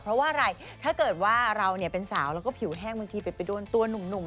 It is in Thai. เพราะว่าอะไรถ้าเกิดว่าเราเป็นสาวแล้วก็ผิวแห้งบางทีไปโดนตัวหนุ่ม